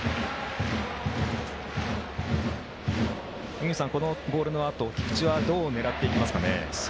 井口さん、このボールのあと菊池はどう狙っていきますかね。